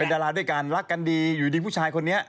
ดาราด้วยกันรักกันดีอยู่ดีผู้ชายคนนี้